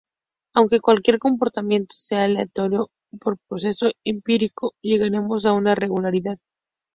Aunque cualquier comportamiento sea aleatorio, por proceso empírico llegaremos a una regularidad.